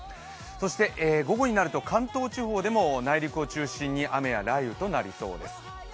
そして午後になると関東地方でも内陸を中心に雨や雷雨となりそうです。